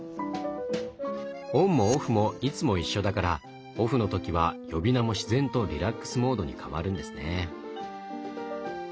オンもオフもいつも一緒だからオフの時は呼び名も自然とリラックスモードに変わるんですね。